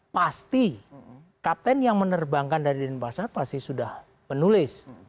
pasti kapten yang menerbangkan dari denpasar pasti sudah menulis